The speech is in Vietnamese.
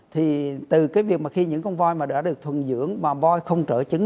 thì từ cái việc mà khi những con voi mà đã được thuần dưỡng mà voi không trở chứng